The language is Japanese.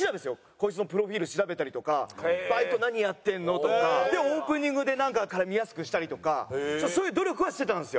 こいつのプロフィール調べたりとかバイト何やってるのとかでオープニングでなんか絡みやすくしたりとかそういう努力はしてたんですよ。